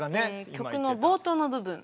曲の冒頭の部分。